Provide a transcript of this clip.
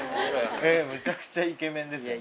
むちゃくちゃイケメンですよね。